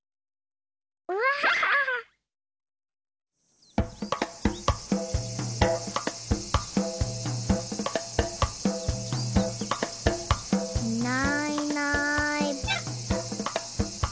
うわ！いないいない。